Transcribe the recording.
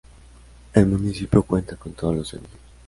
El municipio cuenta con todos los servicios.